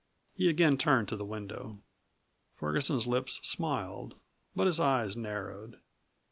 He again turned to the window. Ferguson's lips smiled, but his eyes narrowed.